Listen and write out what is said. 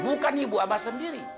bukan ibu ambar sendiri